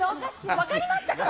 分かりましたから。